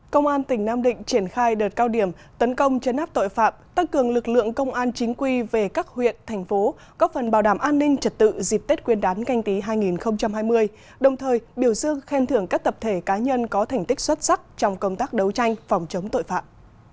công an tỉnh nam định triển khai đợt cao điểm tấn công chấn áp tội phạm tăng cường lực lượng công an chính quy về các huyện thành phố góp phần bảo đảm an ninh trật tự dịp tết nguyên đán canh tí hai nghìn hai mươi đồng thời biểu dương khen thưởng các tập thể cá nhân có thành tích xuất sắc trong công tác đấu tranh phòng chống tội phạm